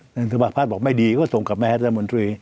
สภาพัฒน์บอกไม่ดีก็ส่งกลับมาให้สภาพัฒน์มนตรี